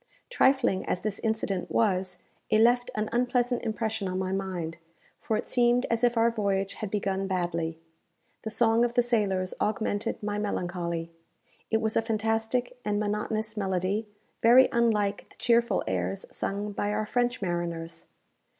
Trifling as this incident was, it left an unpleasant impression on my mind; for it seemed as if our voyage had begun badly. The song of the sailors augmented my melancholy. It was a fantastic and monotonous melody, very unlike the cheerful airs sung by our French mariners.